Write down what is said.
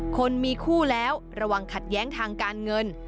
คนมีคู่แล้วระวังขัดแย้งทางการเงิน